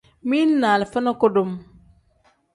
Mili ni alifa ni kudum.